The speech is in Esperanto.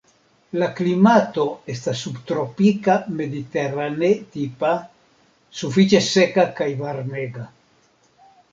La klimato estas subtropika mediterane-tipa, sufiĉe seka kaj varmega.